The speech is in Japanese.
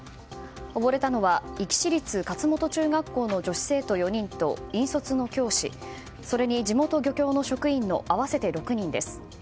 溺れたのは壱岐市立勝本中学校の女子生徒４人と引率の教師、それに地元漁協の職員の合わせて６人です。